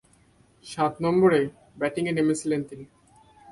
সাত নম্বরে ব্যাটিংয়ে নেমেছিলেন তিনি।